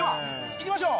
いきましょうか。